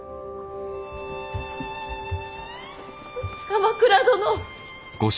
鎌倉殿。